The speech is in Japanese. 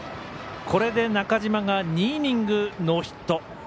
これで中嶋が２イニング、ノーヒット。